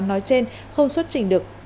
nói trên không xuất trình được